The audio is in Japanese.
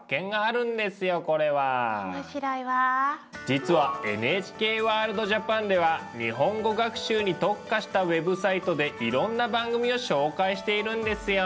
実は「ＮＨＫワールドＪＡＰＡＮ」では日本語学習に特化したウェブサイトでいろんな番組を紹介しているんですよ。